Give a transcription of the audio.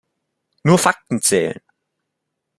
Nur Fakten zählen.